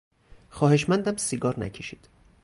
خواهشمندم سیگار نکشید!